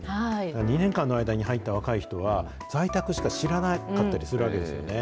２年間の間に入った若い人は、在宅しか知らなかったりするわけですよね。